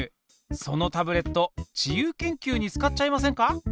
そのタブレット自由研究に使っちゃいませんか？